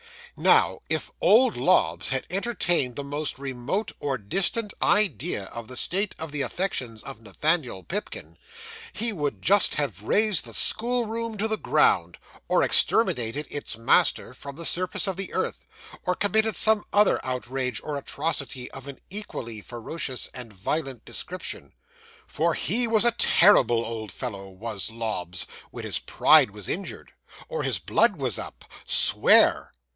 'Now, if old Lobbs had entertained the most remote or distant idea of the state of the affections of Nathaniel Pipkin, he would just have razed the school room to the ground, or exterminated its master from the surface of the earth, or committed some other outrage and atrocity of an equally ferocious and violent description; for he was a terrible old fellow, was Lobbs, when his pride was injured, or his blood was up. Swear!